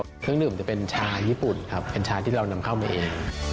เครื่องดื่มจะเป็นชาญี่ปุ่นครับเป็นชาที่เรานำเข้ามาเอง